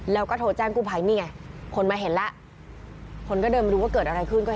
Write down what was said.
แล้วก็โทรแจ้งกู้ภัยนี่ไงคนมาเห็นแล้วคนก็เดินมาดูว่าเกิดอะไรขึ้นก็